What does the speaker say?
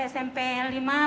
mau berkunjung ke sekolah kami